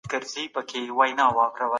هغه د ټولنيزو علومو يو ستر پوه بلل کيږي.